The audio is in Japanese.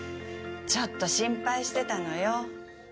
ちょっと心配してたのよ。